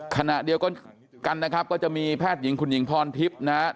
ขณะเดียวกันกันนะครับก็จะมีแพทย์หญิงคุณหญิงพรทิพย์นะฮะ